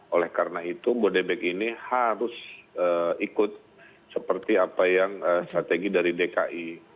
oleh karena itu bodebek ini harus ikut seperti apa yang strategi dari dki